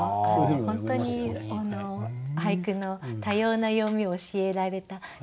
本当に俳句の多様な読みを教えられた気がします。